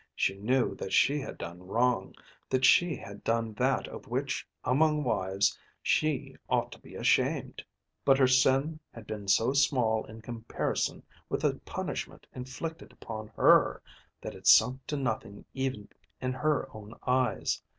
She knew that she had done wrong; that she had done that of which among wives she ought to be ashamed. But her sin had been so small in comparison with the punishment inflicted upon her that it sunk to nothing even in her own eyes.